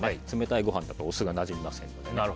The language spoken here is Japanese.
冷たいご飯だとお酢がなじみません。